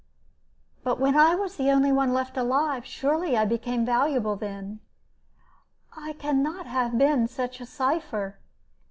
"But when I was the only one left alive. Surely I became valuable then. I can not have been such a cipher."